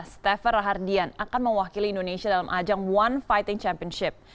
stafer rahardian akan mewakili indonesia dalam ajang one fighting championship